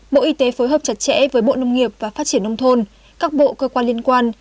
bộ y tế phối hợp chặt chẽ với bộ nông nghiệp và phát triển nông thôn các bộ cơ quan liên quan